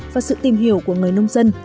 và sự tìm hiểu của người nông dân